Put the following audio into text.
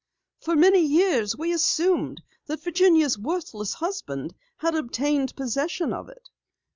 For many years we assumed that Virginia's worthless husband had obtained possession of it.